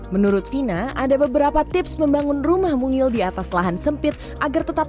menurut vina ada beberapa tips membangun rumah mungil di atas lahan sempit agar tetap